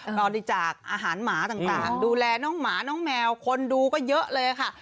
ก็บริจาคอาหารหมาต่างดูแลน้องหมาน้องแมวคนดูก็เยอะเลยค่ะ